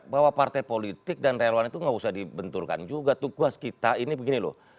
bahwa partai politik dan relawan itu nggak usah dibenturkan juga tugas kita ini begini loh